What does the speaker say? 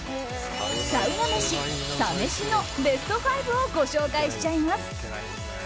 サウナ飯、サ飯のベスト５をご紹介しちゃいます。